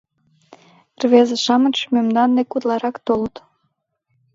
Рвезе-шамычше мемнан дек утларак толыт.